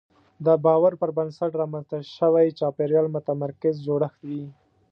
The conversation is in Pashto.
د باور پر بنسټ رامنځته شوی چاپېریال متمرکز جوړښت وي.